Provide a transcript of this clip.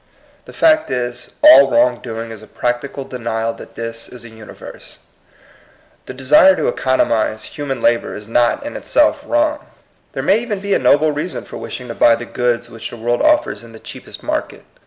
The fact is, all wrong doing is a practical denial that this is a universe. The desire to economize human labor is not in itself wrong. There may even be a noble reason for wishing to buy the goods which the world offers in the cheap SHORT CUTS TO SUCCESS. 81 est market.